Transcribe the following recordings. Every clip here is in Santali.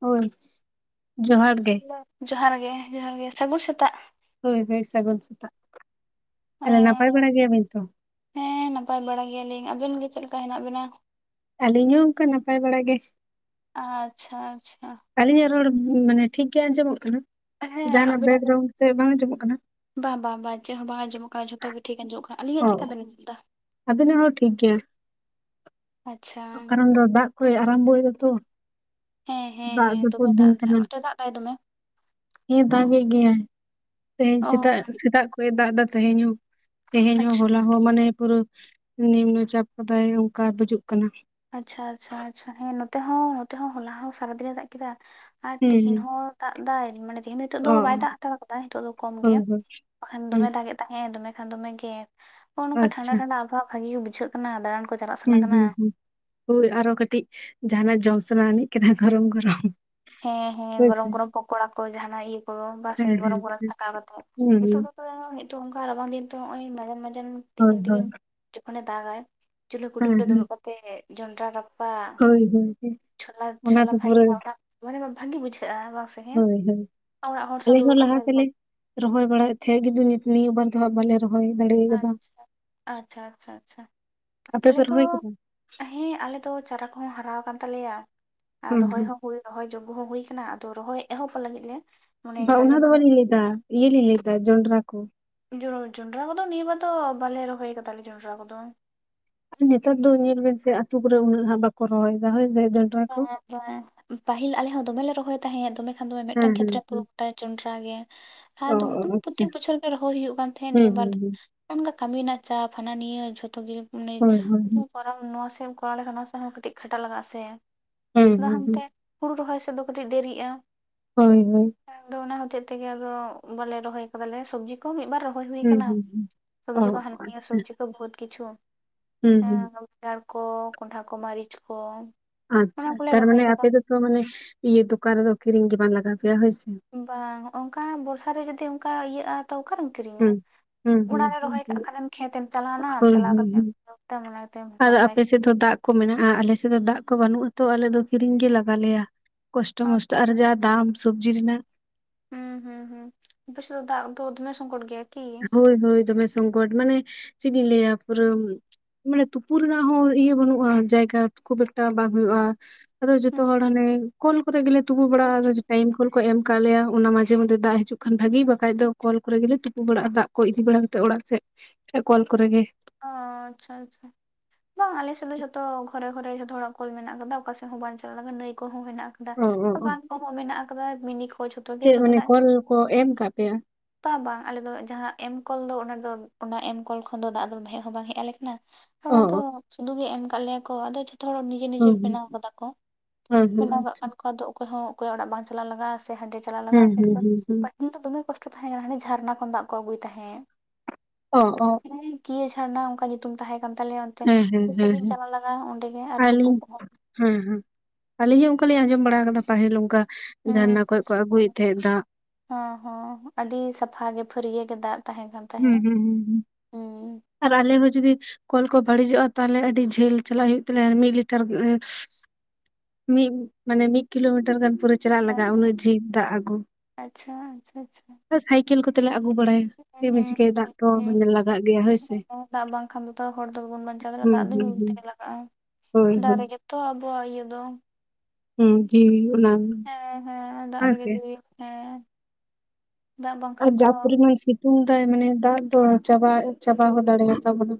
ᱦᱳᱭ ᱡᱚᱦᱟᱨ ᱜᱮ [inaudible] ᱡᱚᱦᱟᱨ ᱜᱮ ᱡᱚᱦᱟᱨ ᱜᱮ ᱥᱟᱹᱜᱩᱱ ᱥᱮᱛᱟᱜ᱾ ᱦᱳᱭ ᱦᱳᱭ ᱥᱟᱹᱜᱩᱱ ᱥᱮᱛᱟᱜ᱾ ᱛᱟᱦᱚᱞᱮ ᱱᱟᱯᱟᱭ ᱵᱟᱲᱟ ᱜᱮᱭᱟᱵᱤᱱ ᱛᱚ ᱦᱮᱸ ᱱᱟᱯᱟᱭ ᱵᱟᱲᱟ ᱜᱮᱭᱟᱞᱤᱧ᱾ᱟᱵᱤᱱ ᱜᱮ ᱪᱮᱫ ᱞᱮᱠᱟ ᱦᱮᱱᱟᱜ ᱵᱤᱱᱟ? ᱟᱹᱞᱤᱧ ᱦᱚᱸ ᱚᱱᱠᱟ ᱱᱟᱯᱟᱭ ᱵᱟᱲᱟ ᱜᱮ᱾ ᱟᱪᱪᱷᱟ ᱟᱪᱪᱷᱟ ᱟᱪᱪᱷᱟ ᱟᱹᱞᱤᱧᱟᱜ ᱨᱚᱲ ᱢᱟᱱᱮ ᱴᱷᱤᱠ ᱜᱮ ᱟᱸᱡᱚᱢᱚᱜ ᱠᱟᱱᱟ᱾ ᱦᱮᱸ ᱡᱟᱦᱱᱟᱜ ᱟᱵᱤᱱᱟᱜ ᱵᱮᱠᱜᱨᱟᱣᱩᱱᱰ ᱥᱮ ᱵᱟᱝ ᱟᱸᱡᱚᱢᱚᱜ ᱠᱟᱱᱟ ᱵᱟᱝ ᱵᱟᱝ ᱵᱟᱝ ᱪᱮᱫ ᱦᱚᱸ ᱵᱟᱝ ᱟᱸᱡᱚᱢᱚᱜ ᱠᱟᱱᱟ, ᱡᱷᱚᱛᱚ ᱜᱮ ᱴᱷᱤᱠ ᱟᱸᱡᱚᱢᱚᱜ ᱠᱟᱱᱟ᱾ ᱟᱹᱞᱤᱧᱟᱜ ᱪᱤᱠᱠᱟ ᱚ ᱵᱮᱱ ᱟᱸᱡᱚᱢ ᱫᱟ? ᱟᱵᱤᱱᱟᱜ ᱦᱚᱸ ᱴᱷᱤᱠ ᱜᱮᱭᱟ᱾ ᱟᱪᱪᱷᱟ ᱠᱟᱨᱚᱱ ᱫᱚ ᱫᱟᱜ ᱠᱚᱭ ᱟᱨᱚᱢᱵᱚᱭ ᱫᱟ ᱛᱚ ᱦᱮᱸ ᱦᱮᱸ ᱦᱮᱸ᱾ ᱫᱚᱢᱮ ᱫᱟᱜ ᱫᱟᱭ ᱚᱱᱛᱮ ᱫᱟᱜ ᱫᱟᱭ ᱫᱚᱢᱮ ᱦᱮᱸ ᱫᱟᱜ ᱮᱜ ᱜᱮᱭᱟᱭ ᱛᱮᱦᱮᱧ ᱚ ᱥᱮᱛᱟᱜ ᱥᱮᱛᱟᱜ ᱠᱷᱚᱡᱮ ᱫᱟᱜ ᱮᱫᱟ ᱛᱮᱦᱮᱧ ᱦᱚᱸ ᱛᱮᱦᱮᱧ ᱦᱚᱸ ᱟᱪᱪᱷᱟ ᱦᱚᱞᱟ ᱟᱨ ᱢᱟᱱᱮ ᱯᱩᱨᱟᱹ ᱱᱤᱢᱱᱚᱪᱟᱯ ᱠᱟᱫᱟᱭ ᱚᱱᱠᱟ ᱵᱩᱡᱩᱜ ᱠᱟᱱᱟ᱾ ᱟᱪᱪᱷᱟ ᱟᱪᱪᱷᱟ ᱟᱪᱷᱟ᱾ᱦᱮᱸ ᱱᱚᱛᱮ ᱦᱚᱸ ᱱᱚᱛᱮ ᱦᱚᱸ ᱦᱚᱞᱟ ᱦᱚᱸ ᱥᱟᱨᱟ ᱫᱤᱱᱮ ᱫᱟᱜ ᱠᱮᱫᱟ᱾ ᱟᱨ ᱦᱩᱸ ᱛᱤᱦᱤᱧ ᱦᱩᱸ ᱦᱚᱸ ᱫᱟᱜ ᱫᱟᱭ ᱢᱟᱱᱮ ᱛᱤᱦᱤᱧ ᱱᱤᱛᱚᱜ ᱫᱚ ᱚ ᱵᱟᱭ ᱫᱟᱜ ᱦᱟᱛᱟᱲ ᱟᱠᱟᱫᱟ ᱱᱤᱛᱚᱜ ᱫᱚ ᱠᱚᱢ ᱜᱮ᱾ ᱦᱳᱭ ᱦᱳᱭ ᱚᱠᱷᱟᱱ ᱦᱩᱸ ᱫᱚᱢᱮ ᱫᱟᱜᱮᱜ ᱛᱟᱦᱮᱸ ᱫᱚᱢᱮ ᱠᱷᱟᱱ ᱫᱚᱢᱮ ᱜᱮ ᱱᱚᱜᱼ ᱱᱚᱝᱠᱟ ᱴᱷᱟᱱᱰᱟ ᱟᱪᱪᱷᱟ ᱴᱷᱟᱱᱰᱟ ᱟᱵᱚᱦᱟᱣᱟ ᱵᱷᱟᱜᱤ ᱜᱮ ᱵᱩᱡᱷᱟᱹᱜ ᱠᱟᱱᱟ ᱾ᱫᱟᱲᱟᱱ ᱠᱚ ᱪᱟᱞᱟᱜ ᱥᱟᱱᱟ ᱦᱩᱸ ᱠᱟᱱᱟ ᱦᱩᱸ ᱦᱩᱸ᱾ ᱦᱳᱭ ᱟᱨᱚ ᱠᱟᱹᱴᱤᱡ ᱡᱟᱦᱟᱱᱟᱜ ᱡᱚᱢ ᱥᱟᱱᱟ ᱟᱹᱱᱤᱡ ᱠᱟᱱᱟ ᱜᱚᱨᱚᱢ ᱜᱚᱨᱚᱢ᱾ ᱦᱮᱸ ᱦᱮᱸ ᱦᱳᱭ ᱜᱚᱨᱚᱢ ᱥᱮ ᱜᱚᱨᱚᱢ ᱯᱚᱠᱚᱲᱟ ᱠᱚ, ᱡᱟᱦᱟᱱᱟᱜ ᱤᱭᱟᱹ ᱠᱚ, ᱵᱟᱥᱮ ᱦᱮᱸ ᱜᱚᱨᱚᱢ ᱦᱮᱸ ᱜᱚᱨᱚᱢ ᱦᱮᱸ ᱪᱷᱟᱠᱟᱣ ᱠᱟᱛᱮᱜ ᱦᱩᱸ ᱱᱤᱛᱚᱜ ᱫᱚ ᱛᱚ ᱱᱤᱛᱚᱜ ᱚᱱᱠᱟ ᱨᱟᱵᱟᱝ ᱫᱤᱱ ᱛᱚ, ᱚᱜᱼᱚᱭ ᱢᱟᱡᱟᱱ ᱢᱟᱡᱟᱱ ᱦᱳᱭ ᱛᱤᱠᱤᱱ ᱦᱳᱭ ᱛᱤᱠᱤᱱ ᱡᱚᱠᱷᱚᱱᱮ ᱫᱟᱜᱟᱭ ᱪᱩᱞᱦᱟᱹ ᱠᱩᱰᱟᱹᱢ ᱦᱮᱸ ᱨᱮ ᱦᱮᱸ ᱫᱩᱲᱩᱵ ᱠᱟᱛᱮ ᱡᱚᱸᱰᱨᱟ [unintelligible] ᱦᱳᱭ [unintelligible] ᱦᱳᱭ ᱪᱷᱳᱞᱟ ᱚᱱᱟ ᱪᱷᱳᱞᱟ ᱫᱚ ᱯᱩᱨᱟᱹ ᱵᱷᱟᱡᱟ [unintelligible] [unintelligible] ᱵᱷᱟᱜᱤ ᱵᱩᱡᱷᱟᱹᱜᱼᱟ [unintelligible] ᱦᱳᱭ ᱦᱳᱭ ᱚᱲᱟᱜ ᱦᱚᱲ ᱥᱟᱶ ᱟᱞᱮ ᱫᱩᱲᱩᱵ ᱦᱚᱸ ᱞᱟᱦᱟ ᱠᱟᱛᱮᱜ ᱛᱮᱞᱮ ᱨᱚᱦᱚᱭ ᱵᱟᱲᱟᱭᱮᱫ ᱛᱟᱦᱮᱸ [unintelligible] ᱱᱤᱭᱟᱹᱵᱟᱨ ᱫᱚ ᱵᱟᱞᱮ ᱨᱚᱦᱚᱭ [unintelligible] ᱟᱪᱪᱷᱟ ᱟᱪᱪᱷᱟ ᱟᱪᱪᱷᱟ ᱟᱪᱪᱷᱟ ᱟᱪᱪᱷᱟ ᱟᱯᱮ ᱟᱞᱮ ᱯᱮ ᱫᱚ ᱨᱚᱦᱚᱭ ᱠᱮᱫᱟ ᱦᱮᱸ ᱟᱞᱮ ᱫᱚ ᱪᱟᱨᱟ ᱠᱚᱦᱚᱸ ᱦᱟᱨᱟ ᱟᱠᱟᱱ ᱛᱟᱞᱮᱭᱟ ᱟᱨ ᱦᱩᱸ ᱨᱚᱦᱚᱭ ᱦᱩᱸ ᱦᱚᱸ ᱦᱳᱭ ᱨᱚᱦᱚᱭ ᱡᱚᱜᱽᱚ ᱦᱚᱸ ᱦᱩᱭ ᱟᱠᱟᱱᱟ ᱟᱫᱚ ᱨᱚᱦᱚᱭ ᱮᱦᱚᱵ ᱞᱟᱹᱜᱤᱫ ᱞᱮ ᱢᱚᱱᱮ ᱦᱚᱸ ᱠᱮᱫᱟᱞᱮ ᱚᱱᱟ ᱫᱚ ᱢᱟᱱᱮ ᱵᱟᱞᱤᱧ ᱞᱟᱹᱭᱫᱟ ᱤᱭᱟᱹ ᱞᱤᱧ ᱞᱟᱹᱭᱫᱟ ᱡᱚᱱᱰᱨᱟ ᱠᱚ ᱡᱚᱱᱰᱨᱟ ᱠᱚᱫᱚ ᱱᱤᱭᱟᱹ ᱵᱟᱨ ᱫᱚ ᱵᱟᱞᱮ ᱨᱚᱦᱚᱭ ᱠᱟᱫᱟᱞᱮ ᱡᱚᱸᱰᱨᱟ ᱠᱚᱫᱚ ᱱᱮᱛᱟᱨ ᱫᱚ ᱧᱮᱞ ᱵᱮᱱ ᱥᱮ ᱟᱹᱛᱩ ᱠᱚᱨᱮ ᱩᱱᱟᱹᱜ ᱦᱟᱸᱜ ᱵᱟᱠᱚ ᱨᱚᱦᱚᱭ ᱫᱟ ᱦᱳᱭ ᱥᱮ ᱠᱚ ᱵᱟᱝ [unintelligible] ᱯᱟᱹᱦᱤᱞ ᱟᱞᱮ ᱦᱚᱸ ᱫᱚᱢᱮ ᱞᱮ ᱨᱚᱦᱚᱭ ᱛᱟᱦᱮᱸᱫ ᱫᱚᱢᱮ ᱟᱫᱚ ᱦᱮᱸ ᱢᱮᱫᱴᱟᱝ ᱦᱮᱸ ᱠᱷᱮᱛᱨᱮ ᱦᱮᱸ [unintelligible] [unintelligible] ᱡᱚᱸᱰᱨᱟ ᱜᱮ ᱚ ᱚ [unintelligible] ᱟᱪᱪᱷᱟ ᱯᱨᱚᱛᱮᱠ ᱵᱚᱪᱷᱚᱨ ᱜᱮ ᱨᱚᱦᱚᱭ ᱦᱩᱭᱩᱜ ᱠᱟᱱ ᱛᱟᱦᱮᱫ ᱦᱩᱸ ᱱᱤᱭᱟᱹ ᱵᱟᱨ ᱦᱩᱸ ᱦᱩᱸ [unintelligible] [unintelligible] ᱠᱟᱹᱢᱤ ᱨᱮᱱᱟᱜ ᱪᱟᱯ ᱦᱟᱱᱟ ᱱᱤᱭᱟᱹ ᱡᱷᱚᱛᱚ ᱜᱮ ᱦᱳᱭ ᱦᱳᱭ [unintelligible] ᱠᱚᱨᱟᱣ ᱱᱚᱣᱟ ᱥᱮᱫ ᱮᱢ ᱠᱚᱨᱟᱹᱣ ᱞᱮᱠᱷᱟᱱ ᱱᱚᱣᱟ ᱥᱮᱫ ᱦᱚᱸ ᱠᱟᱹᱴᱤᱡ ᱠᱷᱟᱴᱟᱜ ᱞᱟᱜᱟᱜᱼᱟ ᱥᱮ ᱦᱳᱭ ᱦᱳᱭ [unintelligible] ᱦᱳᱭ ᱦᱟᱱᱛᱮ ᱦᱩᱲᱩ ᱨᱚᱦᱚᱭ ᱥᱮᱫ ᱫᱚ ᱠᱟᱹᱴᱤᱡ ᱫᱮᱨᱤᱜᱼᱟ ᱦᱳᱭ ᱦᱳᱭ [unintelligible] ᱚᱱᱟ ᱦᱚᱛᱮᱡ ᱛᱮᱜᱮ ᱵᱟᱞᱮ ᱨᱚᱦᱚᱭ ᱟᱠᱟᱫᱟᱞᱮ ᱥᱚᱵᱡᱤ [unintelligible] ᱢᱤᱫ ᱵᱟᱨ ᱨᱚᱦᱚᱭ ᱦᱩᱭ ᱦᱩᱸ ᱟᱠᱟᱱᱟ ᱦᱩᱸ ᱦᱩᱸ ᱚ ᱥᱚᱵᱡᱤ ᱠᱚ ᱦᱟᱱ ᱱᱤᱭᱟᱹ ᱟᱪᱪᱷᱟ ᱥᱚᱵᱡᱤ ᱠᱚ ᱵᱚᱦᱩᱛ ᱠᱤᱪᱷᱩ ᱦᱩᱸ ᱦᱮ ᱦᱩᱸ [unintelligible] ᱠᱚ ᱠᱚᱱᱰᱷᱟ ᱠᱚ ᱢᱟᱹᱨᱤᱪ ᱠᱚ ᱚᱱᱟ ᱟᱪᱪᱷᱟ ᱠᱚᱞᱮ ᱨᱚᱦᱚᱭ ᱛᱟᱨᱢᱟᱱᱮ ᱠᱟᱫᱟ ᱟᱯᱮ ᱫᱚᱛᱚ ᱢᱟᱱᱮ ᱤᱭᱟᱹ ᱫᱚᱠᱟᱱ ᱨᱮᱫᱚ ᱠᱤᱨᱤᱧ ᱜᱮ ᱵᱟᱝ ᱞᱟᱜᱟᱣ ᱟᱯᱮᱭᱟ ᱦᱳᱭ ᱥᱮ ᱵᱟᱝ ᱚᱱᱠᱟ ᱵᱚᱨᱥᱟ ᱨᱮ ᱡᱚᱫᱤ ᱚᱱᱠᱟ ᱤᱭᱟᱹᱜᱼᱟ ᱛᱚ ᱚᱠᱟᱨᱮᱢ ᱠᱤᱨᱤᱧᱟ ᱦᱩᱸ ᱦᱩᱸ ᱦᱩᱸ ᱚᱲᱟᱜ ᱨᱮ ᱨᱚᱦᱚᱭ ᱠᱟᱜ ᱦᱳᱭ ᱠᱷᱟᱱᱮᱢ ᱠᱷᱮᱛ ᱮᱢ ᱪᱟᱞᱟᱣᱱᱟᱢ ᱦᱳᱭ ᱪᱟᱞᱟᱣ ᱦᱳᱭ ᱠᱟᱛᱮᱫ ᱟᱫᱚ [unintelligible] [unintelligible] [unintelligible] ᱟᱯᱮ ᱥᱮᱫ ᱫᱚ ᱫᱟᱜ ᱠᱚ ᱢᱮᱱᱟᱜᱼᱟ ᱟᱞᱮ ᱥᱮᱜ ᱫᱚ ᱫᱟᱜ ᱠᱚ ᱵᱟᱹᱱᱩᱜ-ᱟ ᱛᱚ ᱟᱞᱮ ᱫᱚ ᱠᱤᱨᱤᱧ ᱜᱮ ᱞᱟᱜᱟ ᱞᱮᱭᱟ ᱠᱚᱥᱴᱚ ᱢᱚᱥᱴᱚ ᱟᱪᱪᱷᱟ ᱟᱨ ᱡᱟ ᱫᱟᱢ ᱥᱚᱵᱡᱤ ᱨᱮᱱᱟᱜ ᱦᱩᱸ ᱦᱩᱸ ᱦᱩᱸ ᱟᱯᱮ ᱥᱮ ᱫᱚ ᱫᱟᱜ ᱫᱚ ᱫᱚᱢᱮ ᱥᱚᱝᱠᱚᱴ ᱜᱮᱭᱟ ᱠᱤ ᱦᱳᱭ ᱦᱳᱭ ᱫᱚᱢᱮ ᱥᱚᱝᱠᱚᱴ ᱢᱟᱱᱮ ᱪᱮᱫ ᱤᱧ ᱞᱟᱹᱭᱟ ᱯᱩᱨᱟᱹ ᱢᱟᱱᱮ ᱛᱩᱯᱩ ᱨᱮᱱᱟᱜ ᱦᱚᱸ ᱤᱭᱟᱹ ᱵᱟᱹᱱᱩᱜᱼᱟ ᱡᱟᱭᱜᱟ ᱠᱷᱩᱵ [unintelligible] ᱮᱠᱴᱟ ᱵᱟᱝ ᱦᱩᱭᱩᱜᱼᱟ ᱟᱫᱚ ᱦᱩᱸ ᱡᱚᱛᱚ ᱦᱚᱲ ᱦᱩᱸ ᱦᱟᱱᱮ ᱠᱚᱞ ᱠᱚᱨᱮ ᱜᱮᱞᱮ ᱛᱩᱯᱩ ᱵᱟᱲᱟ-ᱟ ᱟᱪᱪᱷᱟ ᱴᱟᱭᱤᱢ ᱠᱚᱞ ᱠᱚ ᱮᱢ ᱟᱠᱟᱫ ᱞᱮᱭᱟ ᱚᱱᱟ ᱢᱟᱡᱷᱮ ᱢᱚᱫᱽᱷᱮ ᱫᱟᱜ ᱦᱤᱡᱩᱜ ᱠᱷᱟᱱ ᱵᱷᱟᱜᱤ ᱵᱟᱠᱷᱟᱡ ᱫᱚ ᱠᱚᱞ ᱠᱚᱨᱮ ᱜᱮᱞᱮ [unintelligible] [unintelligible] ᱵᱟᱲᱟᱜ-ᱟ ᱫᱟᱜ ᱠᱚ ᱤᱫᱤ ᱵᱟᱲᱟ ᱠᱟᱛᱮᱫ ᱚᱲᱟᱜ ᱥᱮᱫ ᱠᱚᱞ ᱠᱚᱨᱮ ᱜᱮ᱾ [unintelligible] ᱟᱪᱪᱷᱟ ᱟᱪᱪᱷᱟ ᱵᱟᱝ ᱟᱞᱮᱥᱮᱫ ᱫᱚ ᱡᱷᱚᱛᱚ ᱜᱷᱚᱨᱮ ᱜᱷᱚᱨᱮ ᱡᱷᱚᱛᱚ ᱦᱚᱲᱟᱜ ᱠᱚᱞ ᱢᱮᱱᱟᱜ ᱟᱠᱟᱫᱟ ᱚᱠᱟ ᱥᱮᱫ ᱦᱚᱸ ᱵᱟᱝ ᱪᱟᱞᱟᱜ ᱞᱟᱜᱟᱜᱟ ᱱᱟᱹᱭ ᱠᱚᱦᱚᱸ ᱦᱮᱱᱟᱜ ᱟᱠᱟᱫᱟ ᱚ ᱚ ᱚ ᱵᱟᱱ ᱠᱚᱦᱚᱸ ᱢᱮᱱᱟᱜ ᱟᱠᱟᱫᱟ ᱢᱤᱱᱤ ᱠᱚ ᱡᱮ ᱪᱮᱫ ᱢᱟᱱᱮ ᱠᱚᱞ ᱠᱚ ᱮᱢ ᱠᱟ ᱯᱮᱭᱟ ᱵᱟᱝ ᱵᱟᱝ ᱟᱞᱮ ᱫᱚ ᱡᱟᱦᱟᱸ ᱮᱢ ᱠᱚᱞ ᱫᱚ ᱚᱱᱟ ᱫᱚ ᱚᱱᱟ ᱮᱢ ᱠᱚᱞ ᱠᱷᱚᱱ ᱫᱚ ᱫᱟᱜ ᱫᱚ ᱦᱮᱡ ᱦᱚ ᱵᱟᱝ ᱦᱮᱡ ᱟᱞᱮ ᱠᱟᱱᱟ ᱚ ᱚ [unintelligible] ᱥᱩᱫᱩ ᱜᱮ ᱮᱢ ᱟᱠᱟᱫ ᱞᱮᱭᱟ ᱠᱚ ᱟᱫᱚ ᱡᱷᱚᱛᱚ ᱦᱩᱸ [unintelligible] [unintelligible] ᱦᱩᱸ ᱵᱮᱱᱟᱣ ᱟᱠᱟᱫᱟ ᱠᱚ ᱦᱳᱭ ᱦᱳᱭ ᱵᱮᱱᱟᱣ ᱟᱪᱪᱷᱟ ᱠᱟᱜ [inaudible] ᱚᱠᱚᱭ ᱦᱚᱸ ᱚᱠᱚᱭ ᱚᱲᱟᱜ ᱵᱟᱝ ᱪᱟᱞᱟᱜ ᱞᱟᱜᱟᱜᱼᱟ ᱥᱮ ᱦᱟᱸᱰᱮ ᱪᱟᱞᱟᱜ ᱦᱮᱸ ᱞᱟᱜᱟᱜᱼᱟ ᱥᱮ ᱦᱮᱸ ᱦᱮᱸ ᱦᱮᱸ ᱯᱟᱹᱦᱤᱞ ᱫᱚ ᱫᱚᱢᱮ ᱠᱚᱥᱴᱚ ᱛᱟᱦᱮᱸ ᱠᱟᱱᱟ ᱦᱟᱱᱮ ᱡᱷᱟᱨᱱᱟ ᱠᱷᱚᱱ ᱫᱟᱜ ᱠᱚ ᱟᱹᱜᱩᱭ ᱛᱟᱦᱮᱸᱫ ᱚ ᱚ ᱦᱮᱸ ᱠᱤᱭᱟᱹ ᱡᱷᱟᱨᱱᱟ ᱚᱱᱠᱟ ᱧᱩᱛᱩᱢ ᱛᱟᱦᱮᱸ ᱠᱟᱱ ᱛᱟᱞᱮᱭᱟ ᱴᱷᱤᱠ ᱦᱮᱸ ᱦᱮᱸ ᱟᱹᱰᱤ ᱦᱮᱸ ᱥᱟᱺᱜᱤᱧ ᱦᱮᱸ ᱪᱟᱞᱟᱜ ᱞᱟᱜᱟᱜᱼᱟ ᱚᱸᱰᱮ ᱜᱮ ᱟᱨ ᱛᱩᱯᱩ ᱟᱹᱞᱤᱧ ᱠᱚᱦᱚᱸ ᱦᱮᱸ ᱦᱮᱸ ᱟᱹᱞᱤᱧ ᱦᱚᱸ ᱚᱱᱠᱟ ᱞᱤᱧ ᱟᱸᱡᱚᱢ ᱵᱟᱲᱟ ᱟᱠᱟᱫᱟ ᱯᱟᱹᱦᱤᱞ ᱚᱱᱠᱟ ᱡᱷᱟᱨᱱᱟ ᱠᱷᱚᱡ ᱠᱚ ᱟᱹᱜᱩᱭᱮᱫ ᱛᱟᱦᱮᱸᱫ ᱫᱟᱜ ᱦᱚ ᱦᱚ ᱟᱹᱰᱤ ᱥᱟᱯᱷᱟ ᱜᱮ ᱯᱷᱟᱹᱨᱭᱟᱹ ᱜᱮ ᱫᱟᱜ ᱛᱟᱦᱮᱸ ᱠᱟᱱ ᱦᱩᱸ ᱛᱟᱦᱮᱸᱫ ᱦᱩᱸ ᱦᱩᱸ ᱦᱩᱸ ᱦᱩᱸ ᱟᱨ ᱟᱞᱮ ᱦᱚᱸ ᱡᱩᱫᱤ ᱠᱚᱞ ᱠᱚ ᱵᱟᱹᱲᱤᱡᱚᱜᱼᱟ ᱛᱟᱦᱞᱮ ᱟᱹᱰᱤ ᱡᱷᱟᱹᱞ ᱪᱟᱞᱟᱜ ᱦᱩᱭᱩᱜ ᱛᱟᱞᱮᱭᱟ ᱢᱤᱫ ᱞᱤᱴᱟᱨ [inaudible] ᱢᱤᱫ ᱢᱟᱱᱮ ᱢᱤᱫ ᱠᱤᱞᱳᱢᱤᱴᱟᱨ ᱜᱟᱱ ᱯᱩᱨᱟᱹ ᱪᱟᱞᱟᱜ ᱞᱟᱜᱟᱜᱼᱟ ᱩᱱᱟᱹᱜ ᱡᱷᱤᱞ ᱫᱟᱜ ᱟᱹᱜᱩ ᱟᱪᱪᱷᱟ ᱟᱪᱪᱷᱟ ᱟᱪᱪᱷᱟ ᱥᱟᱭᱠᱤᱞ ᱠᱚᱛᱮᱞᱮ ᱟᱹᱜᱩ ᱵᱟᱲᱟᱭᱟ᱾ ᱦᱩᱸ ᱪᱮᱫ ᱵᱤᱱ ᱦᱩᱸ ᱪᱤᱠᱟᱹᱭᱟ ᱜᱤᱭᱟᱹ ᱫᱟᱜ ᱠᱚ ᱦᱩᱸ ᱞᱟᱜᱟᱜ ᱜᱮᱭᱟ ᱦᱮᱭ ᱥᱮ ᱦᱮᱸ, ᱫᱟᱜ ᱵᱟᱝᱠᱷᱟᱱ ᱫᱚᱛᱚ ᱦᱚᱲ ᱫᱚ ᱵᱟᱵᱚᱱ ᱵᱟᱧᱪᱟᱣ ᱫᱟᱲᱮᱼᱟ ᱦᱩᱸ ᱫᱟᱜ ᱫᱚ ᱧᱩ ᱦᱩᱸ ᱦᱩᱸ ᱛᱮᱜᱮ ᱞᱟᱜᱟᱜᱼᱟ ᱦᱳᱭ ᱦᱳᱭ ᱫᱟᱨᱮ ᱜᱮ ᱛᱚ ᱟᱵᱚᱣᱟᱜ ᱤᱭᱟᱹ ᱫᱚ ᱦᱩᱸ ᱡᱤᱣᱤ ᱚᱱᱟ ᱦᱮᱸ ᱦᱮᱸ ᱫᱟᱜ ᱨᱮᱜᱮ ᱡᱤᱣᱤ ᱦᱮᱸ ᱫᱟᱜ ᱟᱨ ᱵᱟᱝᱠᱷᱟᱱ ᱛᱚ ᱡᱟ ᱯᱚᱨᱤᱢᱟᱱ ᱥᱤᱛᱩᱝ ᱫᱟᱭ ᱢᱟᱱᱮ ᱫᱟᱜ ᱫᱚ ᱪᱟᱵᱟ ᱪᱟᱵᱟ ᱦᱚᱸ ᱫᱟᱲᱮᱭᱟ ᱛᱟᱵᱚᱱᱟ